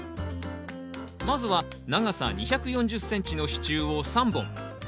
まずは長さ２４０ｃｍの支柱を３本。